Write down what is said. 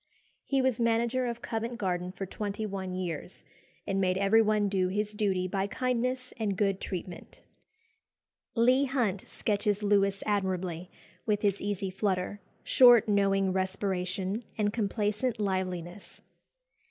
He was manager of Covent Garden for twenty one years, and made everyone do his duty by kindness and good treatment. Leigh Hunt sketches Lewis admirably, with his "easy flutter," short knowing respiration, and complacent liveliness.